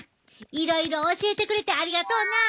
いろいろ教えてくれてありがとうなあ。